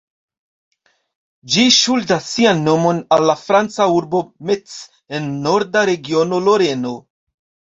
Ĝi ŝuldas sian nomon al la franca urbo Metz en norda regiono Loreno.